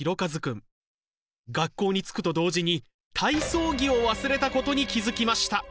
学校に着くと同時に体操着を忘れたことに気付きました。